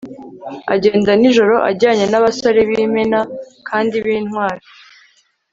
agenda nijoro ajyanye n'abasore b'imena kandi b'intwari